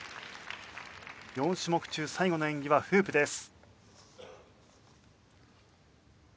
４種目中最後の演技はフープです。